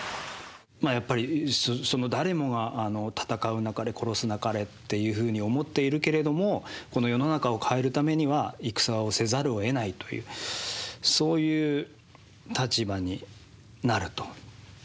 やっぱり誰もが戦うなかれ殺すなかれっていうふうに思っているけれどもこの世の中を変えるためには戦をせざるをえないというそういう立場になると。